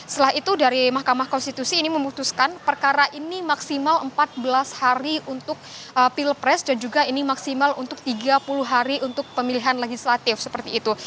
setelah itu dari mahkamah konstitusi ini memutuskan perkara ini maksimal empat belas hari untuk pilpres dan juga ini maksimal untuk tiga puluh hari untuk pemilihan legislatif seperti itu